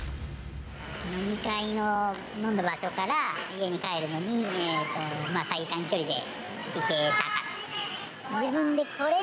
飲み会の、飲んだ場所から家に帰るのに、まあ最短距離で行けたからですね。